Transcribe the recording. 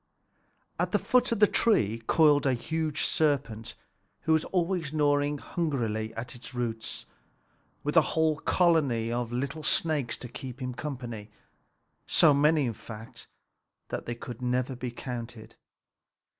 At the foot of the tree coiled a huge serpent, who was always gnawing hungrily at its roots, with a whole colony of little snakes to keep him company, so many that they could never be counted.